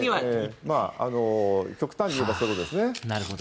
極端に言えばそうですね。